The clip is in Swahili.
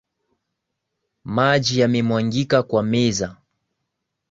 Maji yamemwagika kwa meza.